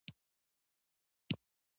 په ژمي کې توده وه.